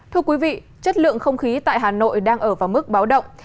thưa quý vị chất lượng không khí tại hà nội đang ở vào mức báo động